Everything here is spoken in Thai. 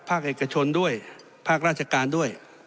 เอกชนด้วยภาคราชการด้วย